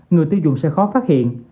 người tiêu dùng sẽ khó phát hiện